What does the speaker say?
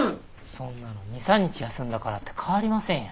そんなの２３日休んだからって変わりませんよ。